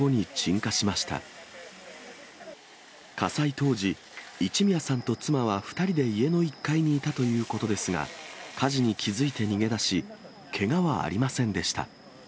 火災当時、一宮さんと妻は２人で家の１階にいたということですが、火事に気付いて逃げ出し、けがはありませんでした。